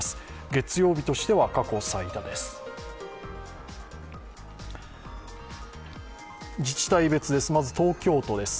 月曜日としては過去最多です。